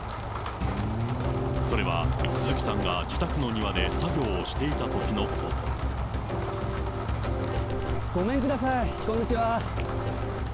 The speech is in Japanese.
それは鈴木さんが自宅の庭で作業ごめんください、こんにちは。